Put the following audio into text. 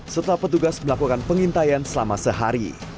setelah petugas melakukan pengintaian selama sehari